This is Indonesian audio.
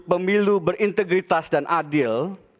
pemilu berintegritas dan adil